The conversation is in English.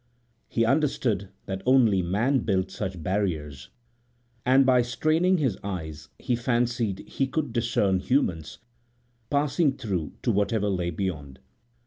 He understood that only man built such barriers and by straining his eyes he fancied he could discern humans passing through to whatever lay beyond.